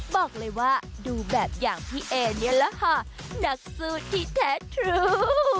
บอกเลยว่าดูแบบอย่างพี่เอนี่แหละค่ะนักสู้ที่แท้ทรู